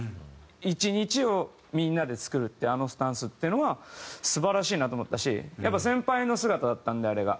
一日をみんなで作るっていうあのスタンスっていうのは素晴らしいなと思ったしやっぱり先輩の姿だったんであれが。